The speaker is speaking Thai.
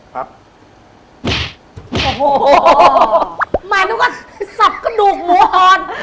หมายนึกว่าสับกระดูกหมูฮอต